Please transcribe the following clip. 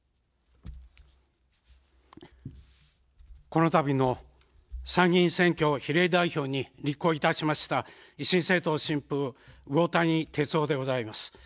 この度の参議院選挙比例代表に立候補いたしました維新政党・新風、魚谷哲央でございます。